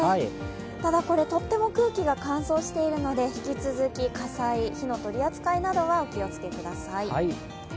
ただ、これはとても空気が乾燥しているので、引き続き火災、火の取り扱いなどはお気を付けください。